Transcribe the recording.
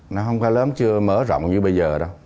nó không có lớn chưa mở rộng như bây giờ đâu